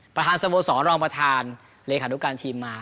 ประธานสโมสรรองประธานเลขานุการทีมมา